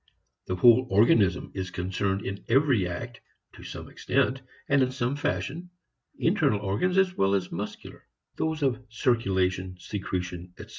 The whole organism is concerned in every act to some extent and in some fashion, internal organs as well as muscular, those of circulation, secretion, etc.